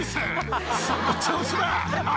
その調子だ。